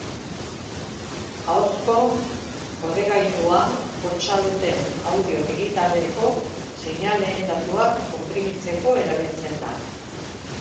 Ahozko kodegailua hotsa duten audio digitaleko seinaleen datuak konprimitzeko erabiltzen da.